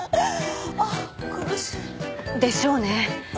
ああ苦しい。でしょうね。